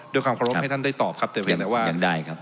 ด้วยความเคารพให้ท่านได้ตอบครับแต่เพียงแต่ว่าอย่างใดครับ